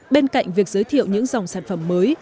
bên cạnh việc giới thiệu những dòng sản phẩm mới